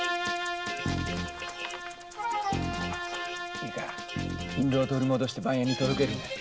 いいか印ろうを取り戻して番屋に届けるんだ。